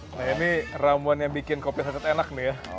nah ini ramon yang bikin kopi saset enak nih ya